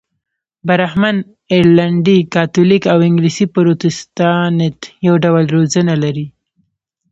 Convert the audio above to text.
برهمن، ارلنډي کاتولیک او انګلیسي پروتستانت یو ډول روزنه لري.